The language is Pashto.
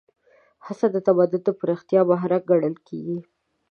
هڅه د تمدن د پراختیا محرک ګڼل کېږي.